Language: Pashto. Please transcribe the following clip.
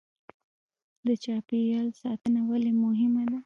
د چاپیریال ساتنه ولې مهمه ده